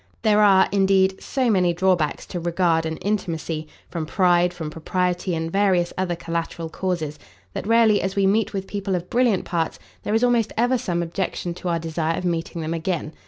There are, indeed, so many drawbacks to regard and intimacy, from pride, from propriety, and various other collateral causes, that rarely as we meet with people of brilliant parts, there is almost ever some objection to our desire of meeting them again.